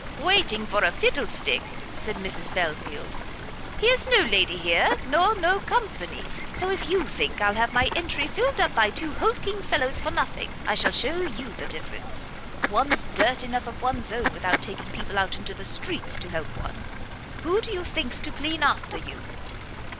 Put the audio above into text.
"Waiting for a fiddlestick!" said Mrs Belfield; "here's no lady here, nor no company; so if you think I'll have my entry filled up by two hulking fellows for nothing, I shall shew you the difference. One's dirt enough of one's own, without taking people out of the streets to help one. Who do you think's to clean after you?"